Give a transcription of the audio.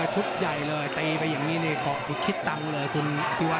ชุบใหญ่เลยตีไปอย่างนี้ในแตกพุทธพิษตำต้องูัตถือว่า